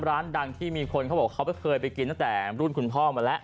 ร้านดังที่มีคนเขาบอกเขาเคยไปกินตั้งแต่รุ่นคุณพ่อมาแล้ว